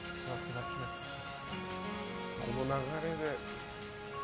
この流れで。